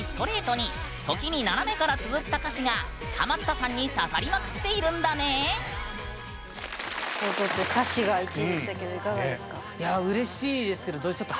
がハマったさんに刺さりまくっているんだね！ということで「歌詞」が１位でしたけどいかがですか？